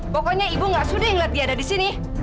pokoknya ibu gak sudi ngeliat dia ada disini